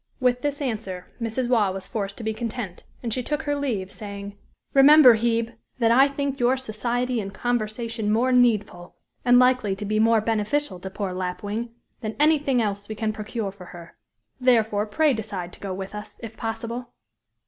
With this answer, Mrs. Waugh was forced to be content, and she took her leave, saying: "Remember, Hebe! that I think your society and conversation more needful, and likely to be more beneficial to poor Lapwing, than anything else we can procure for her; therefore, pray decide to go with us, if possible."